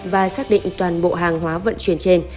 và xác định toàn bộ hàng hóa vận chuyển trên